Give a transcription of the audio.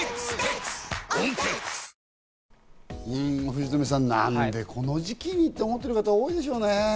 藤富さん、何でこの時期にと思ってる方、多いでしょうね。